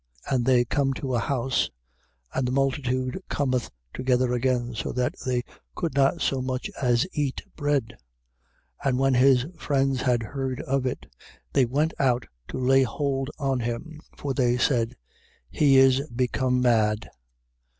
3:20. And they come to a house, and the multitude cometh together again, so that they could not so much as eat bread. 3:21. And when his friends had heard of it, they went out to lay hold on him. For they said: He is become mad.